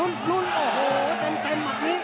โอ้โหเต็มหมัดนี้